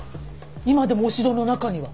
今でもお城の中には。